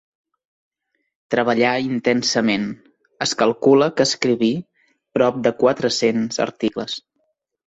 Treballà intensament, es calcula que escriví prop de quatre-cents articles.